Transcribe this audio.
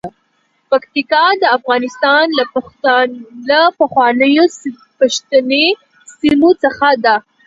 پکتیکا د افغانستان له پخوانیو پښتني سیمو څخه ده.